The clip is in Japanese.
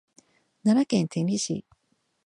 奈良県天理市